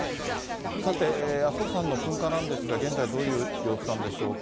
さて、阿蘇山の噴火なんですが、現在、どういう様子なんでしょうか。